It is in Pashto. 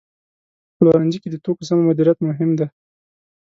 په پلورنځي کې د توکو سمه مدیریت مهم دی.